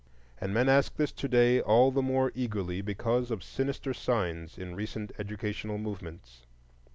And men ask this to day all the more eagerly because of sinister signs in recent educational movements.